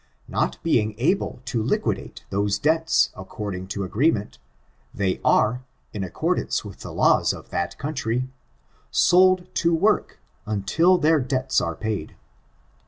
Not being able to liquidate those debts according to agreement, they are, in accordance with the laws of the country, sold to work until their debts are paid.